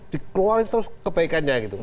dikeluarin terus kebaikannya gitu